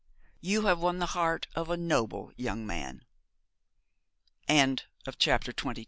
You have won the heart of a noble young man.' CHAPTER XXIII.